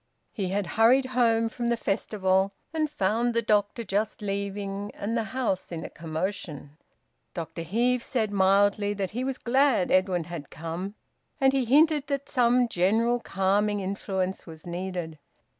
He had hurried home from the festival, and found the doctor just leaving and the house in a commotion. Dr Heve said mildly that he was glad Edwin had come, and he hinted that some general calming influence was needed.